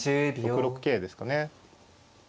６六桂ですかね。